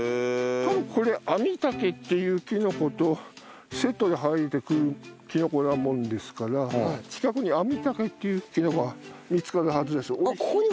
多分これアミタケっていうキノコとセットで生えてくるキノコなものですから近くにアミタケっていうキノコが見つかるはずです。